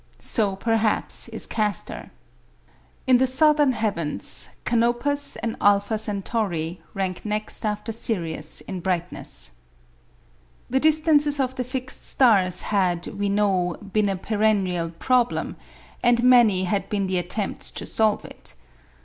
So, perhaps, is Castor. In the southern heavens, Canopus and [alpha] Centauri rank next after Sirius in brightness. [Illustration: FIG. 91. Diagram illustrating Parallax.] The distances of the fixed stars had, we know, been a perennial problem, and many had been the attempts to solve it.